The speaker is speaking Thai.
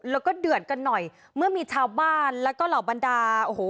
แล้วก็เดือดกันหน่อยเมื่อมีชาวบ้านแล้วก็เหล่าบรรดาโอ้โห